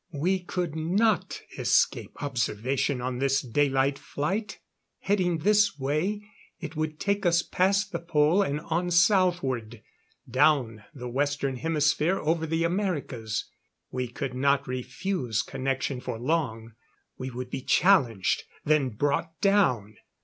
We could not escape observation on this daylight flight. Heading this way, it would take us past the Pole and on southward, down the Western Hemisphere over the Americas. We could not refuse connection for long. We would be challenged, then brought down.